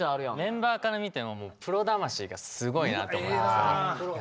メンバーから見てもプロ魂がすごいなって思いますね。